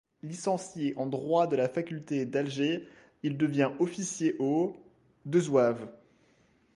Licencié en droit de la faculté d’Alger, il devient officier au de zouaves.